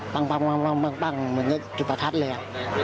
ปั้งเหมือนกับจุภทัศน์เลย